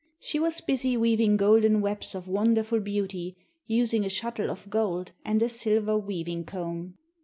She was busy weaving golden webs of wonderful beauty, using a shuttle of gold and a silver weaving comb.